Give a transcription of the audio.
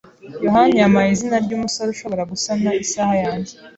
yohani yampaye izina ryumusore ushobora gusana isaha yanjye.